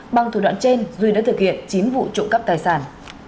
bằng thủ đoạn trên duy đã thực hiện chín vụ trộm cắp tài sản